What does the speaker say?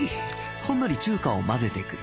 ほんのり中華を混ぜてくる